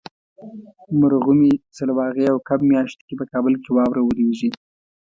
مرغومي ، سلواغې او کب میاشتو کې په کابل کې واوره وریږي.